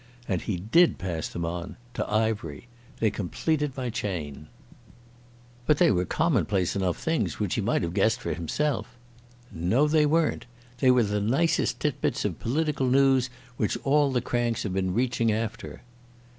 And he did pass them on—to Ivery. They completed my chain." "But they were commonplace enough things which he might have guessed for himself." "No, they weren't. They were the nicest tit bits of political noos which all the cranks have been reaching after."